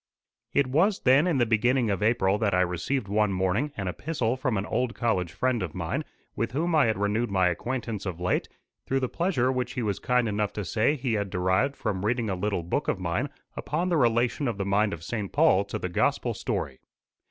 It was, then, in the beginning of April that I received one morning an epistle from an old college friend of mine, with whom I had renewed my acquaintance of late, through the pleasure which he was kind enough to say he had derived from reading a little book of mine upon the relation of the mind of St. Paul to the gospel story.